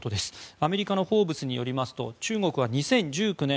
アメリカの「フォーブス」によりますと中国は２０１９年